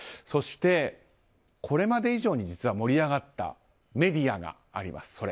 そして、これまで以上に実は盛り上がったメディアがあります。